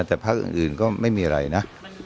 แต่ภาคอื่นก็ไม่มีอะไรนะ